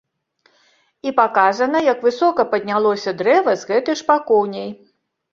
І паказана, як высока паднялося дрэва з гэтай шпакоўняй.